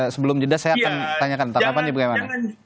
sebelum jeda saya akan tanyakan tanggapannya bagaimana